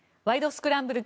スクランブル」